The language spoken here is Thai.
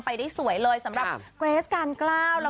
ผมก็หล่อ